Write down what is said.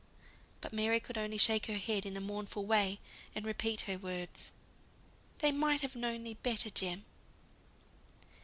But Mary could only shake her head in a mournful way, and repeat her words, "They might have known thee better, Jem."